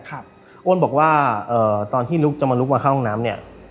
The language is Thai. อ้วนบอกว่าตอนที่ลุกจะมาลุกมาเข้าห้องน้ำเนี่ย